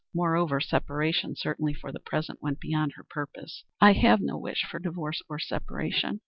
Moreover, separation, certainly for the present, went beyond her purpose. "I have no wish for divorce or separation.